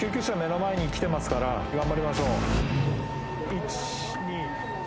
目の前に来てますから頑張りましょう。